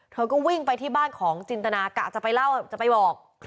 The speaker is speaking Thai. เธอก็วิ่งไปที่บ้านของจินตนากะจะไปเล่าจะไปบอก